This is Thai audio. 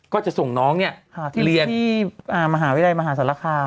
ก็จะส่งน้องเนี่ยเรียนที่มหาวิทยาลัยมหาศาลคาม